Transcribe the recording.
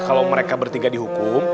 kalau mereka bertingkah dihukum